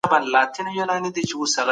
پارلمان به د فساد ريښې له منځه وړي وي.